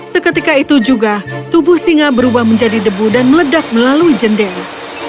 seketika itu juga tubuh singa berubah menjadi debu dan meledak melalui jendela